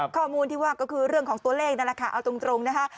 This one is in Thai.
ข้อมูลที่ว่าก็คือเรื่องของตัวเลขนั่นแหละค่ะเอาตรงนะคะ